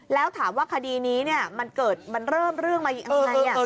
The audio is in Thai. แล้วถามว่าคดีนี้มันเริ่มเรื่องมาอย่างไร